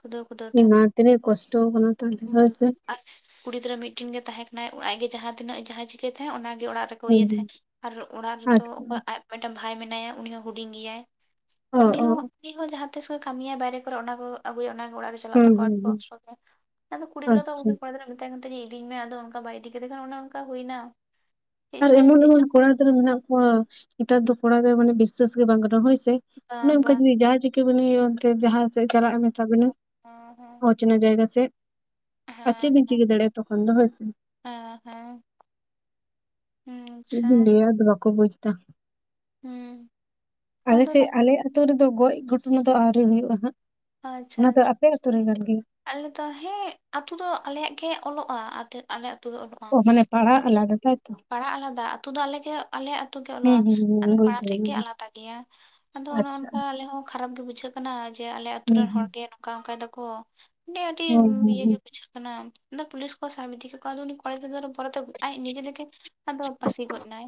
ᱠᱷᱩᱫᱟᱹᱣ ᱠᱷᱩᱫᱟᱹᱣ [inaudible] ᱛᱮ ᱤᱢᱟ ᱛᱤᱱᱟᱹᱜ ᱠᱚᱥᱴᱚ ᱣᱟᱠᱟᱱᱟ ᱛᱟᱦᱚᱞᱮ ᱦᱚᱭ ᱥᱮ᱾ ᱟᱨ ᱠᱩᱲᱤ ᱜᱤᱫᱽᱨᱟᱹ ᱢᱤᱫᱴᱮᱱ ᱜᱮ ᱛᱟᱦᱮᱸ ᱠᱟᱱᱟᱭ ᱟᱡ ᱜᱮ ᱡᱟᱦᱟᱸ ᱛᱤᱱᱟᱹᱜ ᱮ ᱡᱟᱦᱟᱸ ᱪᱤᱠᱟᱹᱭ ᱛᱟᱦᱮᱫ ᱚᱱᱟ ᱜᱮ ᱚᱲᱟᱜ ᱨᱮ ᱠᱚ ᱦᱩᱸ ᱤᱭᱟᱹ ᱦᱩᱸ ᱛᱟᱦᱮᱸᱱ ᱟᱨ ᱚᱲᱟᱜ ᱨᱮᱫᱚ ᱟᱪᱪᱷᱟ ᱚᱠᱚᱭ ᱟᱪᱪᱷᱟ ᱟᱡ ᱯᱟᱴᱮ ᱵᱷᱟᱭ ᱢᱮᱱᱟᱭᱟ ᱩᱱᱤ ᱦᱚᱸ ᱦᱩᱰᱤᱧ ᱜᱮᱭᱟᱭ᱾ ᱚ ᱩᱱᱤ ᱚ ᱦᱚᱸ ᱩᱱᱤ ᱦᱚᱸ ᱡᱟᱦᱟᱸ ᱛᱤᱥ ᱮ ᱠᱟᱹᱢᱤᱭᱟ ᱵᱟᱭᱨᱮ ᱠᱚᱨᱮ ᱚᱱᱟ ᱠᱚ ᱟᱹᱜᱩᱭᱟ ᱚᱱᱟ ᱜᱮ ᱚᱲᱟᱜ ᱪᱟᱞᱟᱜ ᱦᱩᱸ ᱦᱩᱸ ᱛᱟᱠᱚᱣᱟ ᱦᱩᱸ [inaudible] ᱟᱫᱚ ᱠᱩᱲᱤ ᱜᱤᱫᱽᱨᱟᱹ ᱫᱚ ᱟᱪᱪᱷᱟ ᱩᱱᱤ ᱠᱚᱲᱟ ᱛᱟᱭᱚᱢ ᱛᱮ ᱞᱟᱹᱭᱟᱭ ᱤᱫᱤᱧ ᱢᱮ ᱟᱫᱚ ᱚᱱᱠᱟ ᱵᱟᱭ ᱤᱫᱤ ᱠᱮᱫᱮ ᱠᱮᱠᱷᱟᱱ ᱚᱱᱮ ᱚᱱᱠᱟ ᱦᱩᱭᱱᱟ᱾ ᱪᱮᱫ ᱟᱨ ᱪᱚᱭ ᱮᱢᱚᱱ ᱪᱮᱫ ᱪᱚ ᱮᱢᱚᱱ ᱠᱚᱲᱟ ᱜᱤᱫᱽᱨᱟᱹ ᱢᱮᱱᱟᱜ ᱠᱚᱣᱟ ᱱᱮᱛᱟᱨ ᱫᱚ ᱠᱚᱲᱟ ᱜᱤᱫᱽᱨᱟᱹ ᱢᱟᱱᱮ ᱵᱤᱥᱥᱟᱹᱥ ᱜᱮ ᱵᱟᱝ ᱜᱟᱱᱚᱜᱼᱟ ᱦᱚᱭ ᱥᱮ᱾ ᱚᱱᱮ ᱵᱟᱝ ᱵᱟᱝ ᱚᱱᱠᱟ ᱡᱩᱤ ᱡᱟᱦᱟᱸ ᱪᱤᱠᱟᱹ [unintelligible] ᱡᱟᱦᱟᱸ ᱥᱮᱫ ᱦᱮᱸ ᱪᱟᱞᱟᱜᱼᱮ ᱢᱮᱛᱟ ᱵᱤᱱᱟ? ᱦᱮᱸ ᱦᱮᱸ ᱪᱚᱱᱟ ᱡᱟᱭᱜᱟ ᱥᱮᱫ [inaudible] ᱟᱨ ᱪᱮᱫ ᱵᱤᱱ ᱪᱤᱠᱟᱹ ᱫᱟᱲᱮᱭᱟᱜᱼᱟ ᱛᱚᱠᱷᱚᱱ ᱫᱚ ᱦᱚᱭ ᱥᱮ᱾ ᱦᱮᱸ ᱦᱮᱸ᱾ ᱦᱮᱸ ᱪᱮᱫ ᱟᱪᱪᱷᱟ ᱵᱤᱱ ᱞᱟᱹᱭᱟ ᱟᱫᱚ ᱵᱟᱠᱚ ᱵᱩᱡᱽᱫᱟ ᱦᱩᱸ [inaudible] ᱟᱞᱮ ᱟᱫᱚ ᱥᱮᱫ ᱛᱟᱯ- ᱟᱞᱮᱭᱟᱜ ᱟᱛᱩ ᱨᱮᱫᱚ ᱜᱚᱡ ᱜᱷᱚᱴᱚᱱᱟ ᱫᱚ ᱟᱹᱣᱨᱤ ᱦᱩᱭᱩᱜᱼᱟ ᱦᱟᱸᱜ, ᱟᱪᱪᱷᱟ ᱚᱱᱟ ᱫᱚ ᱟᱪᱪᱷᱟ ᱟᱯᱮ ᱟᱛᱳ ᱟᱪᱪᱷᱟ᱾ ᱨᱮ ᱠᱟᱱ ᱜᱮᱭᱟ᱾ ᱟᱞᱮ ᱫᱚ ᱦᱮᱸ ᱟᱛᱩ ᱫᱚ ᱟᱞᱮᱭᱟᱜ ᱜᱮ ᱚᱞᱚᱜᱼᱟ ᱟᱛᱮᱫ ᱟᱞᱮ ᱟᱹᱛᱩ ᱜᱮ ᱚᱞᱚᱜᱼᱟ᱾ ᱚ ᱢᱟᱱᱮ ᱯᱟᱲᱟ ᱛᱩ ᱟᱞᱟᱫᱟ ᱛᱟᱭᱛᱚ ᱯᱟᱲᱟ ᱟᱞᱟᱫᱟ ᱟᱹᱛᱩ ᱫᱚ ᱟᱞᱮ ᱜᱮ ᱟᱞᱮ ᱟᱹᱛᱩ ᱜᱮ ᱦᱩᱸ ᱚᱞᱚᱜᱼᱟ ᱦᱩᱸ ᱦᱩᱸ ᱟᱫᱚ ᱵᱩᱡᱽ ᱯᱟᱲᱟ ᱴᱷᱮᱡ ᱜᱮ ᱫᱟᱲᱮᱭᱟᱫᱟᱹᱧ ᱟᱞᱟᱫᱟ ᱜᱮᱭᱟ᱾ ᱟᱫᱚ ᱚᱱᱮ ᱟᱪᱪᱷᱟ ᱚᱱᱠᱟ ᱟᱞᱮ ᱦᱚᱸ ᱠᱷᱟᱨᱟᱯ ᱜᱮ ᱵᱩᱡᱷᱟᱹᱜ ᱠᱟᱱᱟ ᱡᱮ ᱟᱞᱮ ᱟᱹᱛᱩ ᱦᱩᱸ ᱨᱮᱱ ᱦᱩᱸ ᱦᱚᱲᱜᱮ ᱱᱚᱝᱠᱟ ᱚᱱᱠᱟᱭ ᱫᱟᱠᱚ᱾ ᱢᱟᱱᱮ ᱟᱹᱰᱤ ᱦᱩᱸ ᱦᱩᱸ ᱤᱭᱟᱹ ᱦᱩᱸ ᱜᱮ ᱵᱩᱡᱷᱟᱹᱜ ᱠᱟᱱᱟ᱾ ᱯᱩᱞᱤᱥ ᱠᱚ ᱥᱟᱵ ᱤᱫᱤ ᱠᱮᱜ ᱠᱚᱣᱟ ᱟᱫᱚ ᱩᱱᱤ ᱠᱚᱲᱟ ᱜᱤᱫᱽᱨᱟᱹ ᱟᱨᱦᱚ ᱯᱚᱨᱮᱛᱮ ᱟᱡ ᱱᱤᱡᱮ ᱛᱮᱜᱮ ᱟᱫᱚ ᱯᱟᱹᱥᱤ ᱜᱚᱫ ᱱᱟᱭ᱾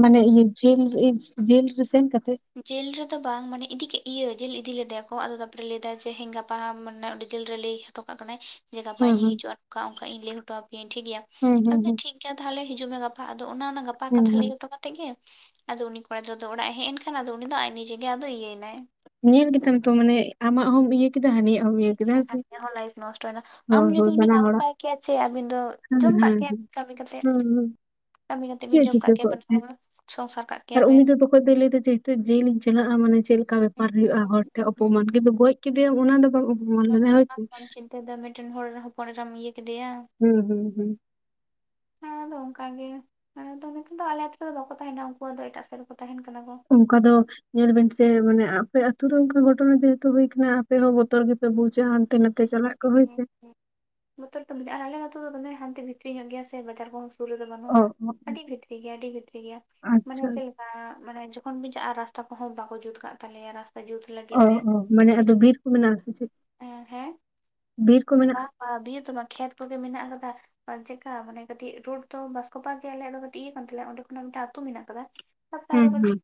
ᱢᱟᱱᱮ ᱤᱭᱟᱹ ᱡᱮᱞ [unintelligible] ᱡᱮᱞ ᱨᱮ ᱥᱮᱱ ᱠᱟᱛᱮᱜ ᱡᱤᱞ ᱨᱮᱫᱚ ᱵᱟᱝ ᱢᱟᱱᱮ ᱤᱫᱤ ᱠᱮᱜ ᱤᱭᱟᱹ ᱡᱮᱞ ᱤᱫᱤ ᱞᱮᱫᱮᱭᱟ ᱠᱚ ᱟᱫᱚ ᱛᱟᱨᱯᱚᱨᱮ ᱞᱟᱹᱭ ᱫᱟᱭ ᱡᱮ ᱦᱮᱸ ᱜᱟᱯᱟ ᱢᱟᱱᱮ ᱚᱸᱰᱮ ᱡᱮᱞ ᱨᱮ ᱞᱟᱹᱭ ᱦᱚᱴᱚ ᱠᱟᱜ ᱠᱟᱱᱟᱭ ᱡᱮ ᱜᱟᱯᱟ ᱤᱧ ᱦᱮᱸ ᱧᱤᱧ ᱦᱮᱸ ᱦᱤᱡᱩᱜᱼᱟ ᱱᱚᱝᱠᱟ ᱚᱱᱠᱟ ᱤᱧ ᱞᱟᱹᱭ ᱦᱚᱴᱚ ᱟᱯᱮᱭᱟᱹᱧ ᱴᱷᱤᱠ ᱜᱮᱭᱟ ᱦᱩᱸ ᱦᱩᱸ ᱦᱩᱸ [unintelligible] ᱠᱮ ᱛᱟᱦᱚᱞᱮ ᱦᱤᱡᱩᱜ ᱢᱮ ᱜᱟᱯᱟ ᱟᱫᱚ ᱚᱱᱟ ᱚᱱᱟ ᱜᱟᱯᱟ ᱦᱩᱸ ᱠᱟᱛᱷᱟ ᱞᱟᱹᱭ ᱦᱩᱸ ᱦᱚᱴᱚ ᱠᱟᱛᱮ ᱜᱮ ᱟᱫᱚ ᱩᱱᱤ ᱠᱚᱲᱟ ᱜᱤᱫᱽᱨᱟᱹ ᱫᱚ ᱚᱲᱟᱜᱼᱮ ᱦᱮᱡ ᱮᱱ ᱢᱮᱱᱠᱷᱟᱱ ᱟᱫᱚ ᱩᱱᱤ ᱫᱚ ᱟᱡ ᱱᱤᱡᱮ ᱜᱮ ᱟᱫᱚ ᱤᱭᱟᱹᱭᱮᱱᱟᱭ᱾ ᱧᱮᱞ ᱜᱮᱛᱟᱢ ᱛᱚ ᱢᱟᱱᱮ ᱟᱢᱟᱜ ᱦᱚᱸᱢ ᱵᱤᱭᱮ ᱠᱮᱫᱟ ᱦᱟᱱᱤᱭᱟᱜ ᱦᱚᱢ ᱤᱭᱟᱹ ᱠᱮᱫᱟ ᱦᱮᱸ ᱥᱮ [inaudible] ᱞᱟᱭᱤᱯᱷ ᱱᱚᱥᱴᱚᱭᱱᱟ ᱟᱢ ᱦᱳᱭ ᱡᱩᱫᱤ ᱦᱳᱭ ᱩᱱᱮᱢ ᱵᱟᱱᱟ ᱟᱹᱜᱩ ᱦᱚᱲᱟᱜ ᱠᱟᱭ ᱠᱮᱭᱟ ᱪᱮ ᱟᱹᱵᱤᱱ ᱫᱚ ᱦᱮᱸ ᱡᱚᱢ ᱦᱮᱸ ᱠᱟᱜ ᱠᱮᱭᱟ, ᱦᱮᱸ ᱠᱟᱹᱢᱤ ᱠᱟᱛᱮᱫ ᱦᱮᱸ ᱦᱮᱸ ᱠᱟᱹᱢᱤ ᱠᱟᱛᱮᱜ ᱵᱤᱱ ᱪᱮᱫ ᱡᱚᱢ ᱠᱟᱜ ᱪᱤᱠᱟᱹ ᱠᱮᱭᱟ ᱠᱚᱜ ᱵᱟᱱᱟ ᱦᱚᱲ, ᱥᱚᱝᱥᱟᱨ ᱠᱟᱜ ᱠᱮᱭᱟ ᱵᱮᱱ᱾ ᱛᱚᱜ ᱫᱚᱭ ᱞᱟᱹᱭ ᱫᱟ ᱡᱮᱦᱚᱛᱩ ᱡᱮᱞᱤᱧ ᱪᱟᱞᱟᱜ-ᱟ ᱢᱟᱱᱮ ᱡᱮᱞ ᱠᱟ ᱵᱮᱯᱟᱨ ᱦᱩᱭᱩᱜᱼᱟ ᱦᱚᱲ ᱴᱷᱮᱡ ᱚᱯᱚᱢᱟᱱ ᱠᱤᱱᱛᱩ ᱜᱚᱡ ᱠᱮᱫᱮᱭᱟᱭ ᱚᱱᱟ ᱫᱚ ᱵᱟᱝ ᱚᱯᱚᱢᱟᱱ ᱞᱮᱱᱟ ᱦᱚᱭ ᱪᱮ ᱾ [unintelligible] ᱫᱚ ᱢᱤᱫᱴᱮᱱ ᱦᱚᱲ ᱦᱚᱯᱚᱱ ᱮᱨᱟᱢ ᱤᱭᱟᱹ ᱠᱮᱫᱮᱭᱟ᱾ ᱦᱩᱸ ᱦᱩᱸ ᱦᱩᱸ ᱦᱮᱸ ᱟᱫᱚ ᱚᱱᱠᱟ ᱜᱮ ᱱᱚᱛᱮ ᱫᱚ ᱟᱞᱮ ᱟᱛᱳ ᱨᱮᱫᱚ ᱵᱟᱠᱚ ᱛᱟᱦᱮᱱᱟ ᱩᱱᱠᱩ ᱫᱚ ᱮᱴᱟᱜ ᱥᱮᱫ ᱨᱮᱠᱚ ᱛᱟᱦᱮᱱ ᱠᱟᱱᱟ ᱠᱚ [inaudible] ᱡᱮ ᱢᱟᱱᱮ ᱟᱯᱮ ᱟᱛᱩ ᱨᱮ ᱚᱱᱠᱟ ᱜᱷᱚᱴᱚᱱᱟ ᱡᱮᱦᱮᱛᱩ ᱦᱩᱭ ᱠᱟᱱᱟ ᱟᱯᱮ ᱦᱚᱸ ᱵᱚᱛᱚᱨ ᱜᱮᱯᱮ ᱵᱩᱡᱟ᱾ ᱛᱮ ᱱᱚᱛᱮ ᱪᱟᱞᱟᱜ ᱠᱚ ᱦᱟᱭ ᱥᱮ ᱵᱚᱛᱚᱨ ᱛᱚ ᱢᱮᱱᱟᱜᱼᱟ ᱦᱟᱞᱮ ᱦᱚᱸ ᱛᱚᱵᱮ ᱫᱚᱢᱮ ᱦᱟᱱᱛᱮ ᱵᱷᱤᱛᱨᱤ ᱧᱚᱜ ᱜᱮᱭᱟ ᱥᱮ ᱵᱟᱡᱟᱨ ᱠᱚᱦᱚᱸ ᱯᱩᱨᱟᱹ ᱫᱚ ᱵᱟᱹᱱᱩᱜᱼᱟ ᱚ ᱚ ᱚ ᱟᱹᱰᱤ ᱵᱷᱤᱛᱨᱤ ᱜᱮᱭᱟ ᱟᱹᱰᱤ ᱵᱷᱤᱛᱨᱤ ᱜᱮᱭᱟ ᱢᱟᱱᱮ ᱟᱪᱪᱷᱟ ᱪᱮᱫ ᱟᱪᱪᱷᱟ ᱞᱮᱠᱟ ᱢᱟᱱᱮ ᱡᱷᱚ ᱠᱚᱢ ᱵᱩᱡᱷᱟᱹᱜᱼᱟ ᱨᱟᱥᱛᱟ ᱠᱚᱦᱚᱸ ᱵᱟᱠᱚ ᱡᱩᱛ ᱠᱟᱫ ᱛᱟᱞᱮᱭᱟ, ᱨᱟᱥᱛᱟ ᱡᱩᱛ ᱞᱟᱹᱜᱤᱫ ᱚ ᱛᱮ - ᱚ ᱢᱟᱱᱮ ᱟᱫᱚ ᱠᱤᱪᱷᱩ ᱵᱤᱨ ᱠᱚ ᱢᱮᱱᱟᱜᱼᱟ ᱥᱮ ᱪᱮᱫ ᱦᱮᱸ [inaudible] ᱵᱤᱨ ᱠᱚ ᱢᱮᱱᱟᱜᱼᱟ? ᱵᱟ ᱵᱤᱨ ᱛᱚᱢᱟ ᱠᱷᱮᱛ ᱠᱚᱜᱮ ᱢᱮᱱᱟᱜ ᱟᱠᱟᱫᱟ᱾ ᱟᱨ ᱪᱮᱜᱠᱟ ᱢᱟᱱᱮ ᱠᱟᱹᱴᱤᱡ ᱨᱳᱰ ᱫᱚ ᱵᱟᱥᱠᱚᱯᱟ ᱜᱮ ᱟᱞᱮᱭᱟᱜ ᱫᱚ ᱠᱟᱹᱴᱤᱡ ᱤᱭᱟᱹ ᱠᱟᱱ ᱛᱟᱞᱮᱭᱟ ᱚᱸᱰᱮ ᱠᱷᱚᱱᱟᱜ ᱢᱤᱫᱴᱟᱝ ᱟᱹᱛᱩ ᱢᱮᱱᱟᱜ ᱠᱟᱫᱟ᱾ ᱦᱩᱸ ᱦᱩᱸ [unintelligible]